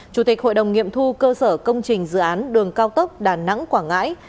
chủ tịch hội đồng nghiệm thu cơ sở công trình dự án đường cao tốc đà nẵng quảng ngãi